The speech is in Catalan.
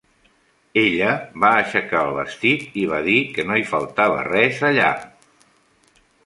Ella va aixecar el vestit i va dir que no hi faltava res, allà.